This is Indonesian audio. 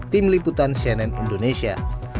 tim liputan cnn indonesia